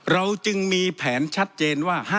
เราจึงมีแผนชัดเจนว่า